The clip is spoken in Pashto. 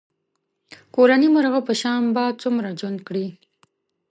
کورني مرغه په شان به څومره ژوند کړې.